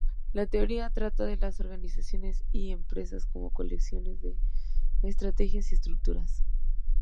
La teoría trata a las organizaciones y empresas como colecciones de estrategias y estructuras.